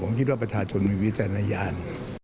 ผมคิดว่าประชาชนมีวิทยานยาน